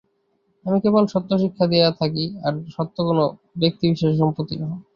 আমি কেবল সত্য শিক্ষা দিয়া থাকি, আর সত্য কোন ব্যক্তিবিশেষের সম্পত্তি নহে।